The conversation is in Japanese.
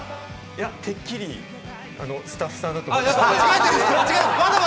いや、てっきりスタッフさんだと思ってた。